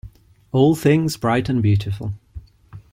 All things bright and beautiful.